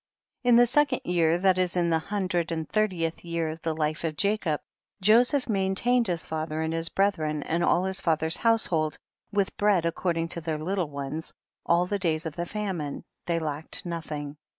26. In the second year, that is' in the hundred and thirtieth year of the life of Jacob, Joseph maintained his father and his brethren, and all his father's household, with bread according to their little ones, all the days of the famine ; they lacked no thing.